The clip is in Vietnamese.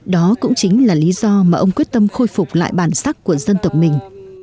đó cũng chính là lý do mà ông quyết tâm khôi phục lại bản sắc của dân tộc mình